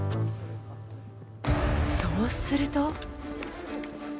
そうすると。